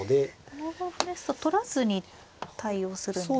７五歩ですと取らずに対応するんですか。